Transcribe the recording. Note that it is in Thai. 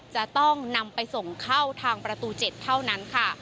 จะต้องนำไปส่งเข้าทางประตู๗เท่านั้นค่ะ